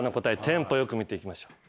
テンポよく見ていきましょう。